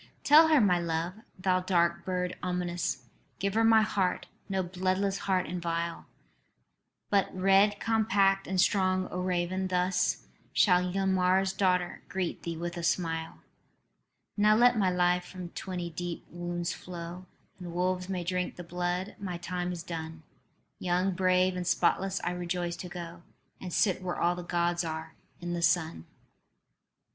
"Tell her my love, thou dark bird ominous; Give her my heart, no bloodless heart and vile But red compact and strong, O raven. Thus Shall Ylmer's daughter greet thee with a smile. "Now let my life from twenty deep wounds flow, And wolves may drink the blood. My time is done. Young, brave and spotless, I rejoice to go And sit where all the Gods are, in the sun."